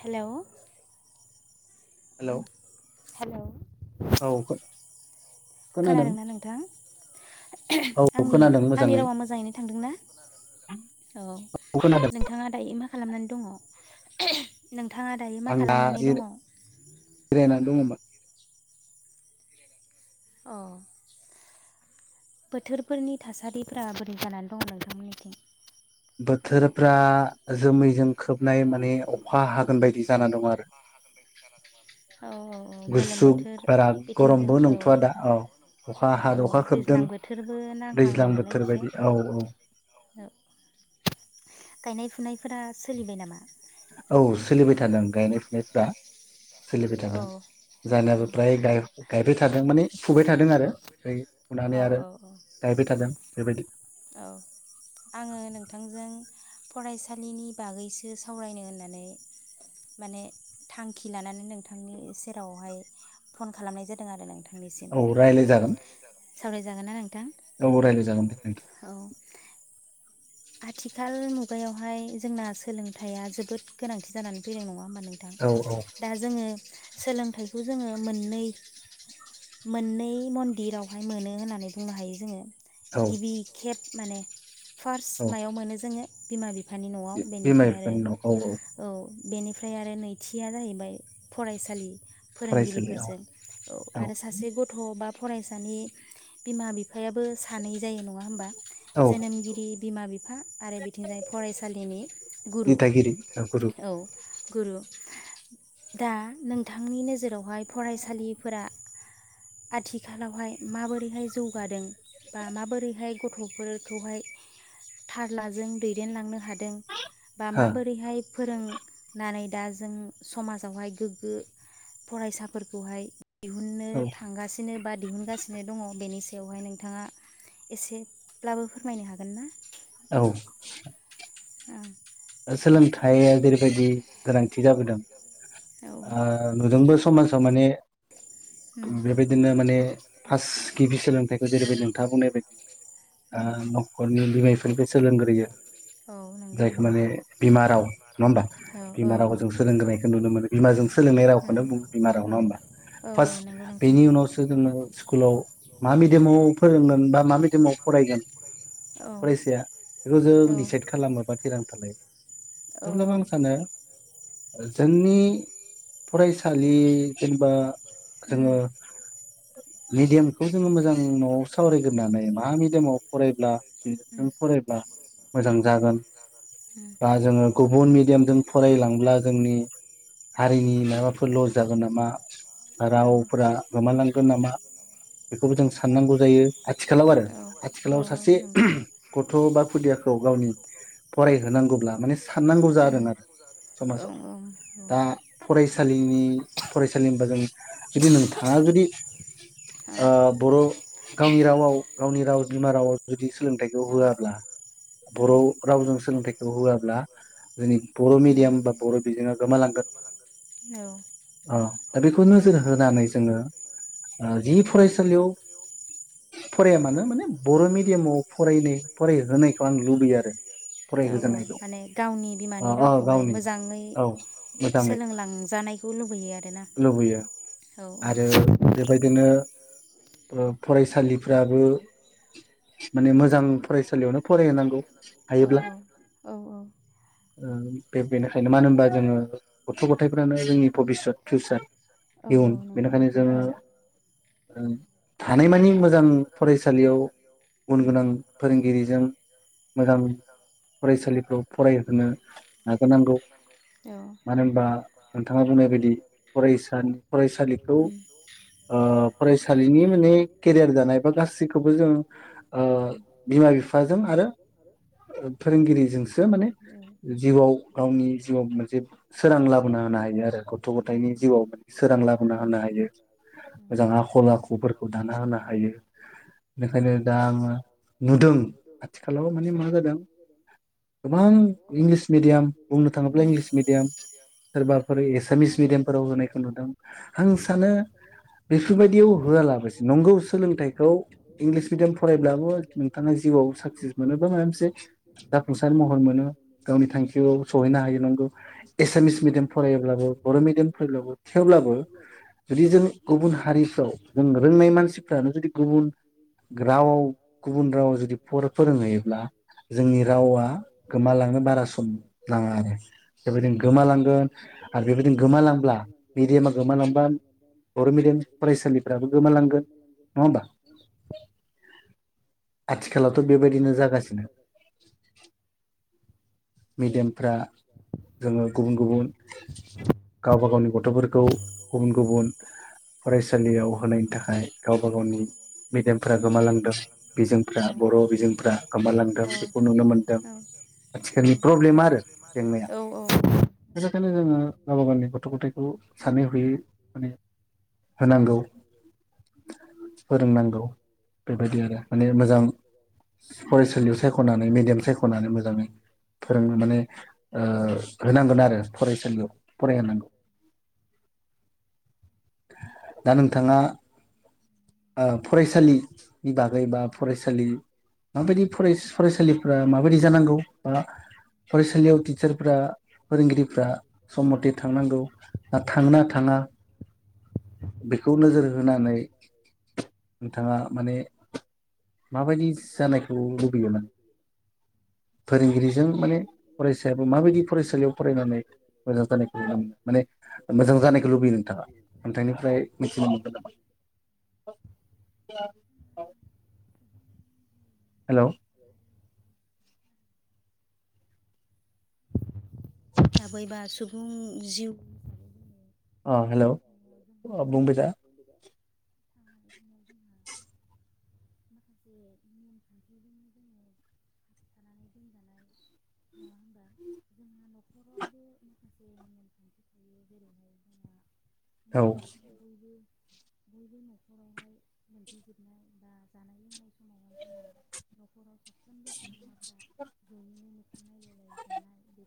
Hello hello hello औ खोनादों खोनादोंना नोंथां? औ आंनि खोनादों आंनि मोजाङै रावा मोजाङैनो थांदोंना औ खोनादों नोंथाङा दायो मा खालामनानै दङ नों आं दा जिरा जिरायनानै दङमोन। अ बोथोरफोरनि थासारिफोरा बोरै जानानै दं नोंथांमोननिथिं? बोथोरफ्रा जोमैजों खोबनाय माने अखा हागोन बायदि जाना दं आरो औ औ औ गोलोम गुसु बोथोर बारा बिथिंजों गरमबो औ नंथ'वा दा औ अखा हाद औ अखा खोबदों दैज्लां बोथोरबो नांखांबाय दैज्लां बोथोर नालाय एसे बायदि औ औ औ। गायनाय फुनायफोरा सोलिबाय नामा? औ सोलिबाय थादों गायनाय फुनायफ्रा। सोलिबाय औ थादों जाहानियाबो प्राय गायबाय थादों माने फुबाय थादों आरो औ फुनानै आरो औ गायबाय थादों बेबायदि औ आङो नोंथांजों फरायसालिनि बागैसो सावरायनो होननानै माने थांखि लानानै नोंथांनि सेरावहाय फन खालामनाय जादों आरो नोंथां औ रायज्लाय जागोन सावरायजागोन आरो ना नों औ रायलाय जागोन दे नोंथां औ आथिखाल मुगायावहाय जोंना सोलोंथाइया जोबोद गोनांथि जानानै फैनाय नङा होमबा नोंथां औ औ दा जोङो सोलोंथाइखौ जोङो मोननै मोननै मन्दिरावहाय मोनो होननानै बुंनो हायो जोङो औ गिबि खेत माने फार औ मायाव मोनो जोङो बिमा बि बिफानि नआव बिमा बेनिफ्राय आरो बिफानिनाव औ औ बेनिफ्राय आरो नैथिया जाहैबाय फरायसालि फरायसालियाव फोरोंगिरिफोरजों औ आरो सासे गथ बा फरायसानि बिमा बिफायाबो सानै जायो नङा होमबा औ जोनोमगिरि बिमा बि बिफा आरो बिथिंजाय फरायसालिनि गुरु दिथागिरि गुरु औ गुरु दा नोंथांनि नोजोरावहाय फरायसालिफोरा आथिखालावहाय माबोरैहाय जौगादों बा माबोरैहाय गथफोरखौहाय थारलाजों दैदेनलांनो हाद दों बा हो माबोरैहाय फोरोंनानै दा जों समाजावहाय गोग्गो फरायसाफोरखौहाय दिहुननो औ थांगासिनो बा दिहुनगासिनो दङ बेनिसै बेवहाय नोंथाङा एसेब्लाबो फोरमायनो हागोन हागोनना औ सोलोंथाइया जेरैबायदि गोनांथि जाबोदों औ आ [unintelligible] समाजाव माने उम बेबायदिनो माने फास गिबि सोलोंथाइखौ जेरैबायदि नोंथाङा बुंनाय बायदि आ उम नखरनि बिमा बिफानिफ्राय सोलोंग्रोयो औ नंगौ नों जायखौ माने बिमा राव नङा होमबा औ औ बिमा रावखौ औ जों सोलोंग्रोनायखौ नुनो मोनो बिमाजों सोलोंनाय औ रावखौनो बुङो बिमा राव औ नङा होमबा औ औ फार्स्ट नंगौ नोंथां बेनि उनावसो जोङो स्कुलाव मा मिडियामाव फोरोंगोन बा मा मिडियामाव फरायगोन औ फरायसाया बेखौ जों डिसाइद खालामो बा थिरां था लायो औ थेवब्लाबो औ आं सानो जोंनि फरायसालि जेनेबा जोङो उम मिडियामखौ जोङो मोजां न'आव सावरायग्रोनानै मा मिडियामाव फरायब्ला उम [unintelligible] फरायब्ला मोजां जागोन उम बा जोङो गुबुन मेडियामजों फरायलांब्ला जोंनि हारिनि माबाफोर लस जागोन नामा औ रावफोरा गोमालांगोन नामा बेखौबो जों साननांगौ जायो। आथिखालाव आरो औ आथिखालाव औ सासे नंगौ गथ' बा खुदियाखौ गावनि फरायहोनांगौब्ला माने साननांगौ उम जादों आरो औ समाजाव औ उम दा फराय सालिनि फरायसालि होनबा जों जुदि नों थाङा जुदि ओ बर' गावनि रावाव गावनि राव बिमा राव जु दि सोलोंथाइखौ होआब्ला बर' सोलोंथाइखौ होआब्ला जोंनि बर' मिडियाम बा बर' बिजोङा गोमालांगोन औ ओ दा बेखौ नोजोर होनानै जोङो ओ जि फरायसालियाव फराया मानो माने बर' मिडियामाव फरायनाय फरायहोनायखौ आं लुबैयो आरो फरायहोजानायखौ माने गावनि अ बिमानि अ रावखौहाय गावनि मोजाङै औ मोजाङै सोलोंलांजानायखौ लुबैयो आरोना? लुबैयो औ आरो बेबायदिनो [unintelligible] फरायसालिफ्राबो माने मोजां फरायसालियावनो फरायहोनांगौ औ हायोब्ला औ औ ओ बे बेनिखायनो मानो होनबा जोङो गथ' गथायफ्रानो जोंनि भबिसत फिउचार औ इयुन नंगौ बेनिखायनो नोंथां जोङो औ ओ हानायमानि मोजां फरायसालियाव गुन उम गोनां फोरोंगिरिजों मोजां फरायसालिफ्राव फरायहोनो नाजानांगौ औ मानो होनबा नोंथाङा बुंनाय बायदि फरायसानि फरायसालि खौ ओ फरायसालिनि माने केरियार दानाय बा गासैखौबो जों ओ उम बिमा बिफाजों आरो फोरोंगिरिजोंसो माने फोरोंगिरि औ जिउवाव गावनि जिउवाव मोनसे सोरां ला बोना होनो हायो आरो गथ' गथायनि जिउवाव सोरां ला बोना होनो हायो मोजां आखल आखु फोरखौ दाना होनो हायो बेखायनो दा आङो नुदों आथिखालाव माने मा जादों गोबां इंलिज मिडियाम बुंनो थाङोब्ला इंलिज मिडियाम सोरबा फोरो एसामिस मिडियामफोराव होनायखौ नुदों आं हिसाबै सानो बेफोरबायदियाव होआलाबासेनो नंगौ सोलोंथाइखौ इंलिस मिडियाम फरायब्लाबो नोंथाङा जिउआव साक्सेस मोनो बा माबा मोनसे जाफुंसार महर मोनो गावनि थांखियाव सहैनो हायो नंगौ एसामिस मिडियाम फरायोब्लाबो बर' मिडियाम फरायब्लाबो थेवब्लाबो जुदि जों गुबुन हारिफ्राव जों रोंनाय मानसिफ्रानो जुदि गुबुन रावाव गुबुन रावाव जुदि फर फोरोंहैयोब्ला जोंनि रावा गोमालांनो बारा सम नाङा आरो बेबादिनो गोमालांगोन आरो बेबायदिनो गोमालांब्ला मिडियामा गोमालांबा बर' मिडियाम फरायसालिफ्राबो गोमालांगोन नङा होमबा? आथिखालावथ' बेबायदिनो जागासिनो। मिडियामफ्रा जोंङो गुबुन गुबुन गावबा गावनि गथफोरखौ गुबुन गुबुन फरायसालियाव होनायनि थाखाय गावबा गावनि मेडियामफ्रा गोमालांदों बिजोंफ्रा बर बिजोंफ्रा गोमालांदों बेखौ नुनो मोनदों आथिखालनि प्रब्लेमा आरो जेंनाया बेखायनो जोङो गावबा गावनि गथ गथ थायखौ सानै हयै माने होनांगौ फोरोंनांगौ बेबायदि आरो माने मोजां फरायसालियाव सायखनानै मिडियाम सायखनानै मोजांङै फोरोंङो माने ओ होनांगोन आरो फरायसालियाव फरायहोनांगौ दा नोंथाङा फरायसालिनि बागै बा फरायसालि माबायदि फराय फरायसालिफ्रा माबायदि जानांगौ बा फरायसालियाव टिचारफ्रा फोरोंगिरिफ्रा सम मथे थांनांगौ ना थांना थांङा बेखौ नोजोर हो होनानै नोंथाङा माने माबायदि जानायखौ लुबैयो माने फोरोंगिरि जों माने फरायसायाबो माबायदि फरायसालियाव फरायनानै मोजां जानायखौ माने माने मोजां जानायखौ लुबैयो नोंथाङा नोंथांनिफ्राय मिथिनो मोनगोन नामा हेलौ [inaudible] थाबैबा सुबुं जिउ अ हेलौ माखासे आ बुंदो दा [inaudible] औ मोनाब्लाथाय रबो बयबो नखरावहाय मोनफैजिरनाय बा जानाय लोंनाय समावहाय जोंना नखराव साफ्रोमबो सोद्रोमाया जयैनो मोखांनाय लायनाय जानाय बे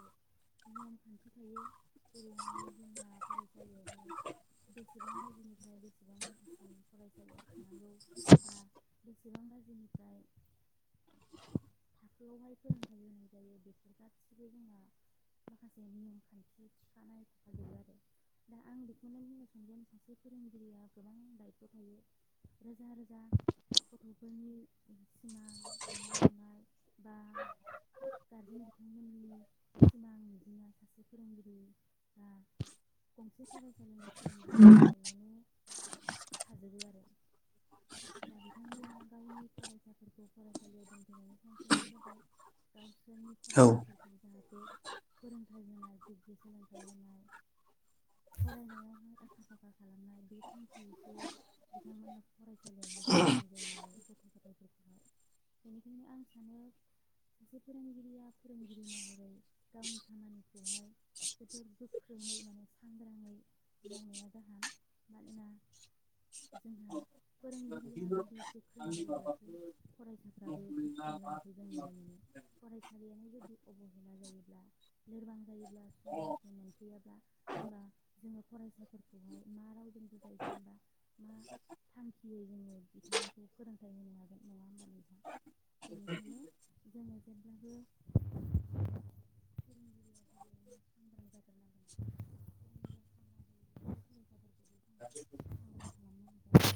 [inaudible] [inaudible] [inaudible] [inaudible] [inaudible] नंगौ बा बेसेबां बाजिनिफ्राय थाखोआवहाय फोरोंथाइ होनाय जायो बेफोर गासिबो जोंना माखासे नेम खान्थि थिखानाय थाख आरो दा आं बेखौनो बुंनो सानदों सासे फोरोंगिरिया गोबां दायथ थायो रोजा रोजा गथफोरनि सिमां साननाय हनाय बा गारजेन बिथांमोननि सिमां बिदिनो सासे फोरोंगिरि बा गंसे फरायसालिनि फोरोंगिरिनि सायावनो थाजोबो आरो दा बिथांमोना गावनि फरायसाफोरखौ फरायसालियाव दोनहैनायनि थांखियानो जाबाय गाव बिसरनि औ फरायसाखौ जाहाथे फोरोंथाइ होनाय जुगि सोलोंथाइ होनाय फरायनायावहाय आखा फाखा खालामनाय बे थांखि बेसे बिथांमोनहा फरायसालियावहाय दोनफैनाय जायो नालाय गथ' गथायफोरखौ बेनिखायनो आं सानो सासे फोरोंगिरिया फोरोंगिरि महरै गावनि खामानिखौहाय जोबोद गोख्रोङै माने सांग्राङै मावनाया गाहाम मानोना जोंहा फोरोंगिरिया जुदि गोख्रों जायोब्लासो फरायसाफ्राबो गोख्रों जानायखौ जों नुनो मोनो फरायसालियानो जुदि अबहेला जायो बा [inaudible] लोरबां जायोब्ला सम मथे मोनफैयाब्ला होमबा जोङो फरायसा फोरखौहाय मा रावजों बुजायगोन बा मा थांखियै जोङो बिथांमोनखौ फोरों नङागोन नङा होमबा [inaudible] बेनिखायनो जोङो [unintelligible] गिबियावनो सांग्रां [unintelligible] जाग्रोनांगोन फोरोंगिरिया सांग्रां जायोब्लासो फरायसाफोरखौबो जोङो सांग्रां [inaudible] खालामनो हागोन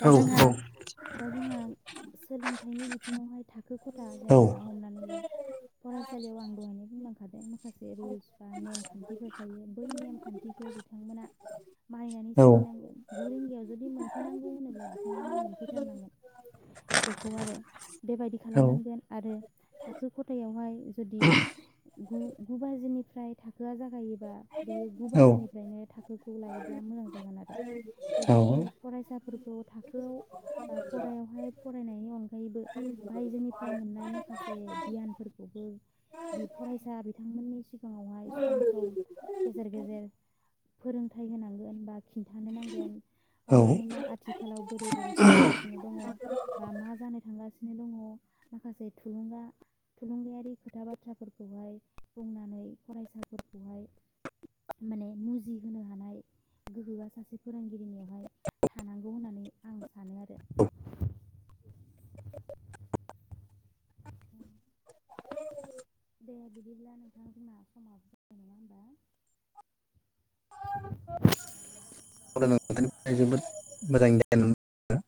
दा जोंहा औ दा जोंहा सोलोंथाइनि बि बिथिङावहाय था [inaudible] खो खथा जेनेबा औ हमनानै ला फरायसालियाव आं [inaudible] सलांखादों माखासे रुल्स बा नेमखान्थिफोर थायो बै नेम खान्थिखौ बिथांमोना [inaudible] बायनानै सोलिनांगोन गु रिंगायाव जुदि मोनफैनांगौ होनोब्ला बिथांमोनहा मोनफैथारनांगोन बेखौ आरो बेबायदि औ खालामनांगोन आरो थाखो खथायावहाय जुदि गु गुबाजिनिफ्राय थाख थाखोआ जागायोबा बेयो गु औ बाजिनिफ्रायनो थाखोखौ लायोब्ला मोजां जागोन आरो औ बेबायदिनो फरायसा फोर स थाखोवाव फरायावहाय फरायनायनि अनगायैबो बायजोनिफ्राय मोननाय माखासे गियानफोरखौबो बे फरायसा बिथांमोननि सिगांङावहाय सम सम गेजेर गेजेर फोरोंथाइ होनांगोन बा खिन्थानो नांगोन औ हमनानैनो आथिखालाव बोरै बोरै सोलिगासिनो दंङ बा मा जानो थां दंङ माखासे थुलुंगा थुलुंगायारि खोथा बाथ्रा फोरखौहाय बुंनानै फरायसाफोरखौहाय माने मुजिहोनो हानाय गोहोआ सासे फोरोंगिरिनियाव थानांगौ होननानै आं सानो आरो दे बिदिब्ला नोंथां जोंना समाबो जाबाय नङा होमबा [inaudible] अब्ला नोंथां जोबोद मोजां गियान मोनो